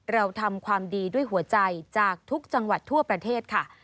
เราทำความดีด้วยหัวใจจากทุกจังหวัดทั่วประเทศค่ะ